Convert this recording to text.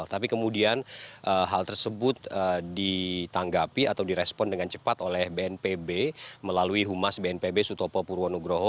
tapi kemudian hal tersebut ditanggapi atau direspon dengan cepat oleh bnpb melalui humas bnpb sutopo purwonugroho